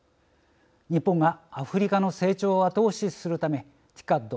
日本がアフリカの成長を後押しするためＴＩＣＡＤ